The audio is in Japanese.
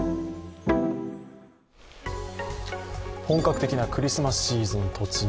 本格的なクリスマスシーズン突入。